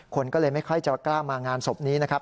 คนก็เลยไม่ค่อยจะกล้ามางานศพนี้นะครับ